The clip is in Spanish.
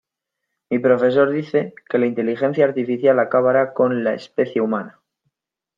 Mi profesor dice que la inteligencia artificial acabará con la especie humana.